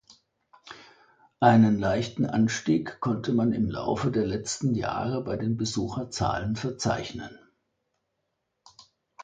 Einen leichten Anstieg konnte man im Laufe der letzten Jahre bei den Besucherzahlen verzeichnen.